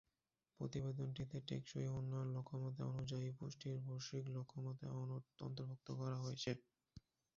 প্রতিবেদনটিতে টেকসই উন্নয়ন লক্ষ্যমাত্রা অনুযায়ী পুষ্টির বৈশ্বিক লক্ষ্যমাত্রা অন্তর্ভুক্ত করা হয়েছে।